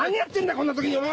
こんな時に！